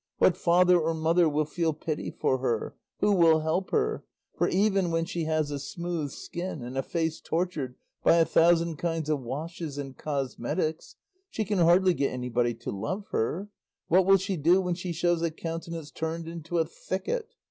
What father or mother will feel pity for her? Who will help her? For, if even when she has a smooth skin, and a face tortured by a thousand kinds of washes and cosmetics, she can hardly get anybody to love her, what will she do when she shows a countenance turned into a thicket?